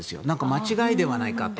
間違いではないかと。